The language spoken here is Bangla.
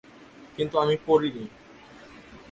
কিন্তু আমি পরিনি।